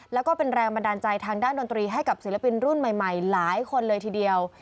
แล้วก็เป็นแรงบันดาลใจทางด้านดนตรีให้กับศิลปินรุ่นใหม่หลายคนเลยทีเดียว